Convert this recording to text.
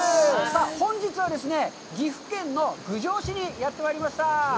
本日はですね、岐阜県の郡上市にやってまいりました。